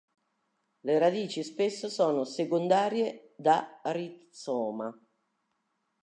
Le radici spesso sono secondarie da rizoma.